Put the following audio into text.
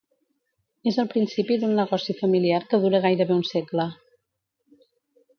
És el principi d'un negoci familiar que dura gairebé un segle.